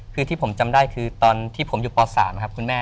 คือที่ผมจำได้คือตอนที่ผมอยู่ป๓ครับคุณแม่